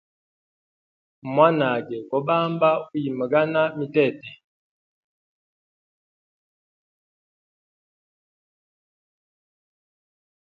Mwanage go bamba uyimgana mitete.